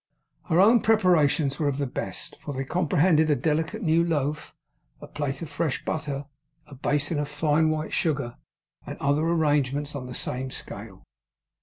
Her own preparations were of the best, for they comprehended a delicate new loaf, a plate of fresh butter, a basin of fine white sugar, and other arrangements on the same scale.